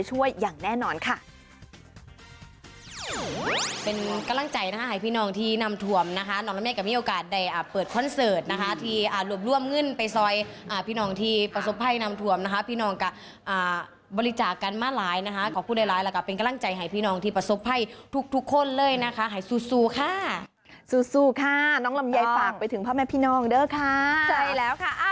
จะลงพื้นที่ไปช่วยอย่างแน่นอนค่ะ